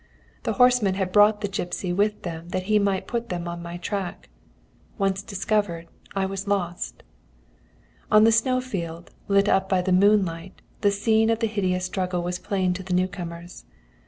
"The horsemen had brought the gipsy with them that he might put them on my track. Once discovered, and I was lost. "On the snow field, lit up by the moonlight, the scene of the hideous struggle was plain to the newcomers.